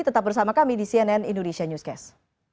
tetap bersama kami di cnn indonesia newscast